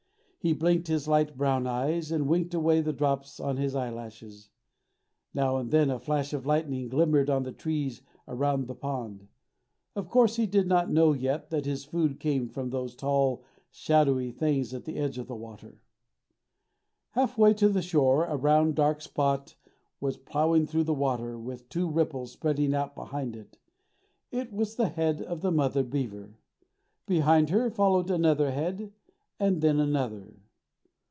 He blinked his light brown eyes, and winked away the drops on his eyelashes. Now and then a flash of lightning glimmered on the trees around the pond. Of course he did not know yet that his food came from those tall, shadowy things at the edge of the water. Half way to the shore a round, dark spot was ploughing through the water, with two ripples spreading out behind it. It was the head of the mother beaver. Behind her followed another head, and then another.